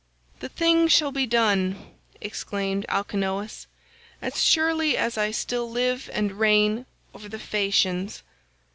"The thing shall be done," exclaimed Alcinous, "as surely as I still live and reign over the Phaeacians.